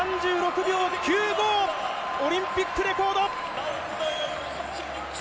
３６秒９５オリンピックレコード。